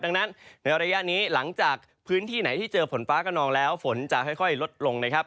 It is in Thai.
ดังนั้นในระยะนี้หลังจากพื้นที่ไหนที่เจอฝนฟ้ากระนองแล้วฝนจะค่อยลดลงนะครับ